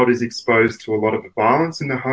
mereka terdapat banyak kejahatan di rumah